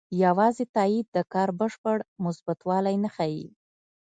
یوازې تایید د کار بشپړ مثبتوالی نه ښيي.